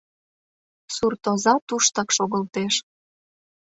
Суртоза туштак шогылтеш.